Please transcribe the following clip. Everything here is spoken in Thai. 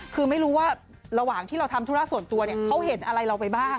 คือไม่รู้ว่าระหว่างที่เราทำธุระส่วนตัวเนี่ยเขาเห็นอะไรเราไปบ้าง